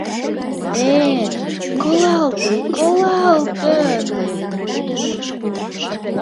— Э-э, колалтын, колалтын...